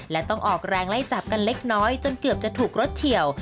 และต้องออกแรงไล่จับกันเล็กน้อยจนเกือบจะถูกรถเฉียว